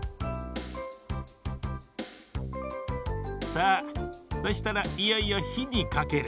さあそしたらいよいよひにかける。